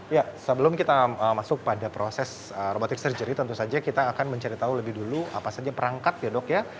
ya sebelum kita masuk pada proses robotic surgery tentu saja kita akan mencari tahu lebih dulu apa saja perangkat ya dok ya